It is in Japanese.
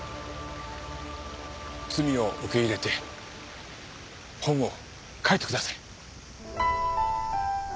罪を受け入れて本を書いてください。